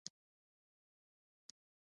آیا واکسین تطبیقیږي؟